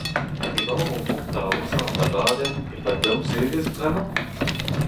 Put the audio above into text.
Hag emaoc'h o vont da aozañ an abadenn e-pad daou zevezh bremañ ?